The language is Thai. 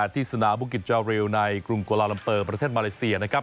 ที่สืนาว่าบุคกี้จริยล์ในร่วมกรุงกลาอลัมเตอร์ประเทศมาเลเซียนะครับ